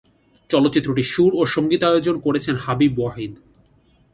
চলচ্চিত্রটির সুর ও সঙ্গীতায়োজন করেছেন হাবিব ওয়াহিদ।